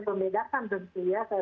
jadi kita harus membedakan